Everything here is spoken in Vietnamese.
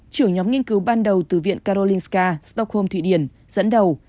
trưởng nhóm nghiên cứu ban đầu từ viện carolinca stockholm thụy điển dẫn đầu